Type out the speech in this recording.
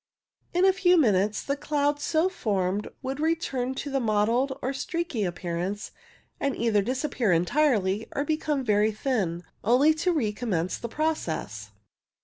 In a few minutes the cloud so formed would return to the mottled or streaky appearance, and either disappear entirely or become very thin, only to recommence the pro cess.